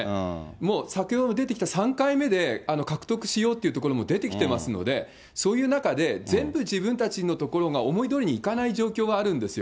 もう先ほど出てきた３回目で、獲得しようというところも出てきてますので、そういう中で、全部自分たちのところが思いどおりにいかない状況はあるんですよ。